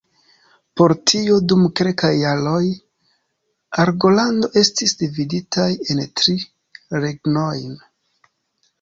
Pro tio, dum kelkaj jaroj, Argolando estis dividitaj en tri regnojn.